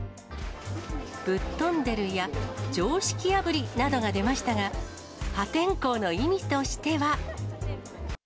ぶっ飛んでるや、常識破りなどが出ましたが、破天荒の意味としては。